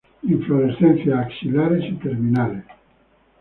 Inflorescencias axilares y terminales.